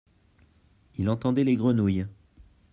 Il entendait les grenouilles.